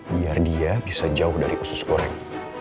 biar dia bisa jauh dari usus goreng